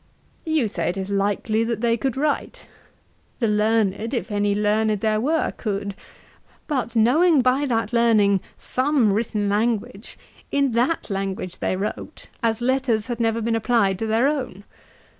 You say it is likely that they could write. The learned, if any learned there were, could; but knowing by that learning, some written language, in that language they wrote, as letters had never been applied to their own.